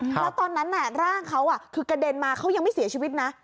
แล้วตอนนั้นร่างเขาคือกระเด็นมาเขายังไม่เสียชีวิตนะ